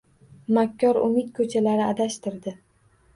Makkor umid ko‘chalari adashtirdi